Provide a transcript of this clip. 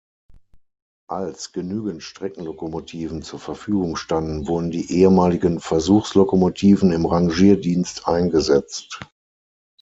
Als genügend Streckenlokomotiven zur Verfügung standen, wurden die ehemaligen Versuchslokomotiven im Rangierdienst eingesetzt.